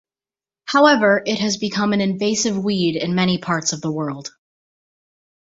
However it has become an invasive weed in many parts of the world.